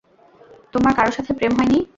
তোমার কারো সাথে প্রেম হয়নি?